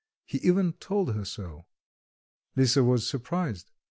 He even told her so. Lisa was surprised.